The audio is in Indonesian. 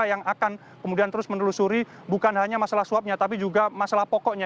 yang akan kemudian terus menelusuri bukan hanya masalah suapnya tapi juga masalah pokoknya